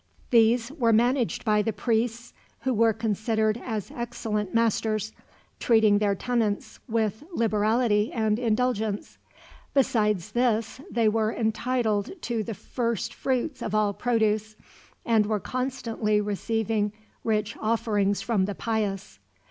These were managed by the priests, who were considered as excellent masters, treating their tenants with liberality and indulgence. Besides this they were entitled to the first fruits of all produce, and were constantly receiving rich offerings from the pious.